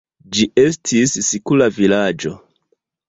Ĝi estis sikula vilaĝo.